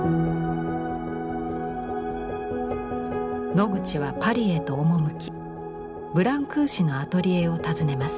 ノグチはパリへと赴きブランクーシのアトリエを訪ねます。